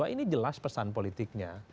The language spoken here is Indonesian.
ini jelas pesan politiknya